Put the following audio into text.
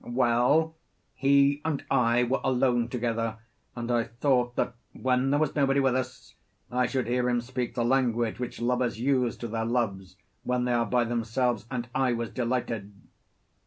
Well, he and I were alone together, and I thought that when there was nobody with us, I should hear him speak the language which lovers use to their loves when they are by themselves, and I was delighted.